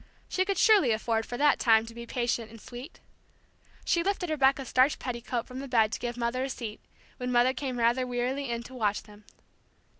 She could surely afford for that time to be patient and sweet. She lifted Rebecca's starched petticoat from the bed to give Mother a seat, when Mother came rather wearily in to watch them.